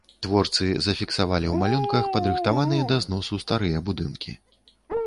Творцы зафіксавалі ў малюнках падрыхтаваныя да зносу старыя будынкі.